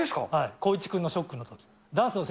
光一君のショックのとき。